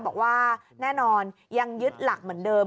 บอกว่าแน่นอนยังยึดหลักเหมือนเดิม